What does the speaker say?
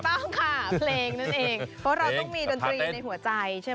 ต้องค่ะเพลงนั่นเองเพราะเราต้องมีดนตรีในหัวใจใช่ไหม